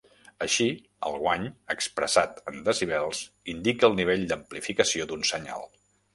Així, el guany, expressat en decibels, indica el nivell d'amplificació d'un senyal.